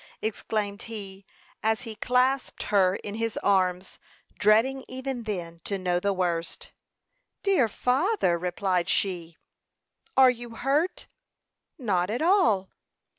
exclaimed he, as he clasped her in his arms, dreading even then to know the worst. "Dear father!" replied she. "Are you hurt?" "Not at all."